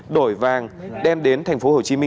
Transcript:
đổi vàng đem đến tp hcm